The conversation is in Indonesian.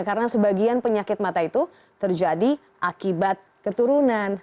karena sebagian penyakit mata itu terjadi akibat keturunan